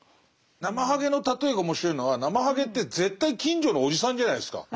ナマハゲの例えが面白いのはナマハゲって絶対近所のおじさんじゃないですか。